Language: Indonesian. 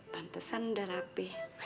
pantesan udah rapih